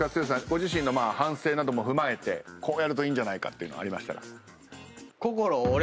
ご自身の反省なども踏まえてこうやるといいんじゃないかっていうのありましたら。